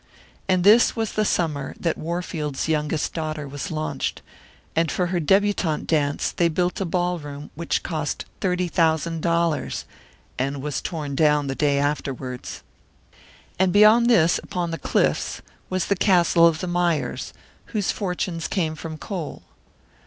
And this was the summer that Warfield's youngest daughter was launched, and for her debutante dance they built a ballroom which cost thirty thousand dollars and was torn down the day afterwards! And beyond this, upon the cliffs, was the castle of the Mayers, whose fortunes came from coal.